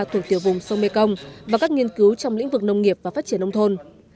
thuộc tiểu vùng sông mekong và các nghiên cứu trong lĩnh vực nông nghiệp và phát triển nông thôn